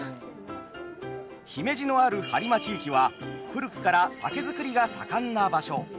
姫路のある播磨地域は古くから酒造りが盛んな場所。